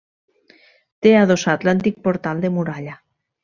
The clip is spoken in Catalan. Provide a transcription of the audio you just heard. Té adossat l'antic portal de muralla.